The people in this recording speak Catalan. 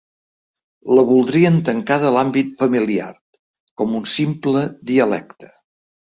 La voldrien tancada a l’àmbit familiar, com un simple dialecte.